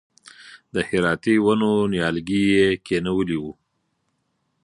د هراتي ونو نیالګي یې کښېنولي و.